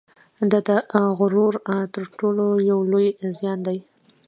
دا د غرور تر ټولو یو لوی زیان دی